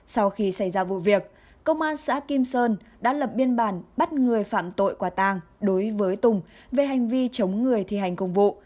sau khi xảy ra vụ việc công an xã kim sơn đã lập biên bản bắt người phạm tội quả tàng đối với tùng về hành vi chống người thi hành công vụ